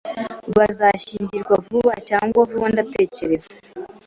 Bazashyingirwa vuba cyangwa vuba, ndatekereza